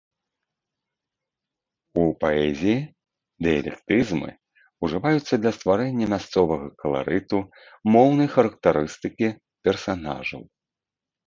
У паэзіі дыялектызмы ўжываюцца для стварэння мясцовага каларыту, моўнай характарыстыкі персанажаў.